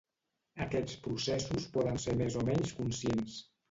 Aquests processos poden ser més o menys conscients.